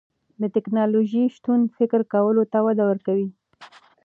د تکنالوژۍ شتون فکر کولو ته وده ورکوي.